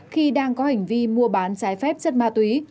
khi đang có hành vi mua bán trái phép chất ma túy